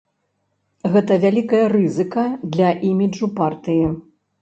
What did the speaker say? Гэта вялікая рызыка для іміджу партыі.